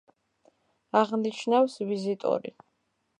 აღნიშნავს ვიზიტორი.